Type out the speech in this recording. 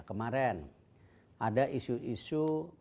kemaren ada isu isu